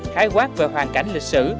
khái quát về hoàn cảnh lịch sử